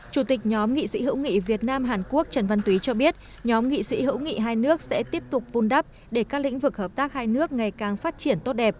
chủ tịch nhóm nghị sĩ hữu nghị việt nam hàn quốc trần văn túy cho biết nhóm nghị sĩ hữu nghị hai nước sẽ tiếp tục vun đắp để các lĩnh vực hợp tác hai nước ngày càng phát triển tốt đẹp